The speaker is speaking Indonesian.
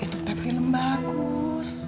itu tape film bagus